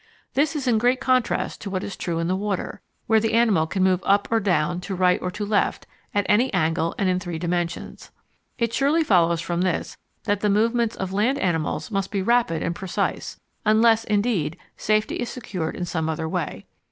This is in great contrast to what is true in the water, where the animal can move up or down, to right or to left, at any angle and in three dimensions. It surely follows from this that the movements of land animals must be rapid and precise, unless, indeed, safety is secured in some other way.